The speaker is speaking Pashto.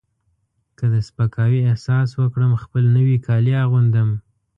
که د سپکاوي احساس وکړم خپل نوي کالي اغوندم.